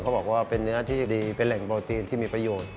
บอกว่าเป็นเนื้อที่ดีเป็นแหล่งโปรตีนที่มีประโยชน์